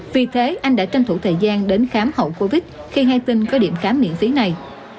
vì thế anh đã tranh thủ thời gian đến khám hậu covid khi hai tinh có điểm khám miễn phí này